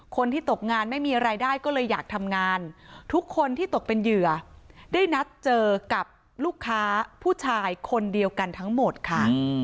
คนที่ตกงานไม่มีรายได้ก็เลยอยากทำงานทุกคนที่ตกเป็นเหยื่อได้นัดเจอกับลูกค้าผู้ชายคนเดียวกันทั้งหมดค่ะ